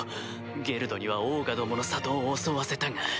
ゲルドにはオーガどもの里を襲わせたが。